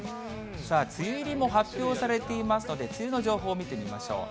さあ、梅雨入りも発表されていますので、梅雨の情報見てみましょう。